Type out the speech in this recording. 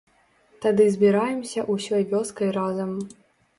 Тады збіраемся ўсёй вёскай разам.